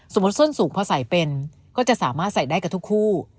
ส้นสูงพอใส่เป็นก็จะสามารถใส่ได้กับทุกคู่